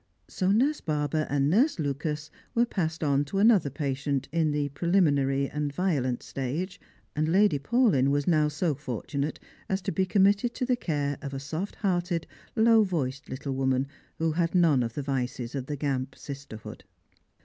So Nurse Barber and Nurse Lucas were passed on to another patient in the preUminary and violent gtage, and Lady Paulyn was now so fortunate as to be com mitted to the care of a soft hearted low voiced little woman who had none of the vices of the Gamp sisterhood.